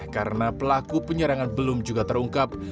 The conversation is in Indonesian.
karena pelaku penyerangan belum juga terungkap